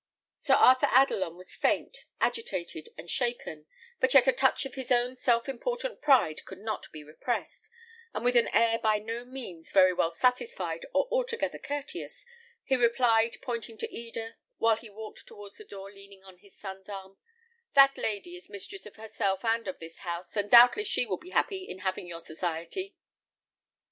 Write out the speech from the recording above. Sir Arthur Adelon was faint, agitated, and shaken; but yet a touch of his own self important pride could not be repressed; and with an air by no means very well satisfied or altogether courteous, he replied, pointing to Eda, while he walked towards the door leaning on his son's arm, "That lady is mistress of herself and of this house, and doubtless she will be happy in having your society."